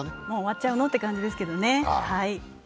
もう終わっちゃうのという感じですけどね。